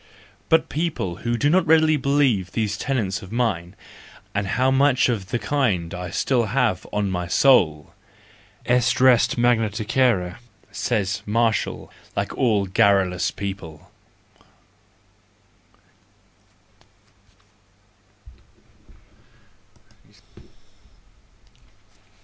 But people will not readily believe these tenets of mine, and how much of the kind I have still on my soul !—Est res magna tacere —says Martial, like all garrulous people.